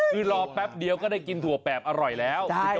คือรอแป๊บเดียวก็ได้กินถั่วแปบอร่อยแล้ว